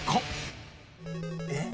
えっ？